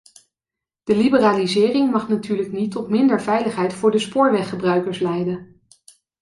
De liberalisering mag natuurlijk niet tot minder veiligheid voor de spoorweggebruikers leiden.